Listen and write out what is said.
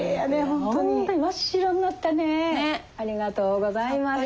ありがとうございます。